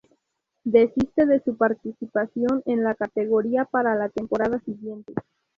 Desiste de su participación en la categoría para la temporada siguiente.